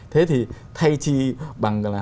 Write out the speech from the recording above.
thế thì thay chi bằng là